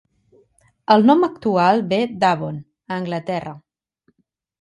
El nom actual ve d'Avon, a Anglaterra.